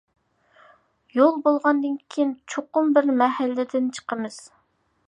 يول بولغاندىكىن چوقۇم بىر مەھەللىدىن چىقىمىز.